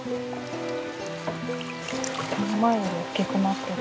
この前より大きくなってる。